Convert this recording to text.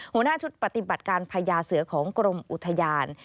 หัวหน้าชุดปฏิบัติการพญาเสือของกรมอุทยาน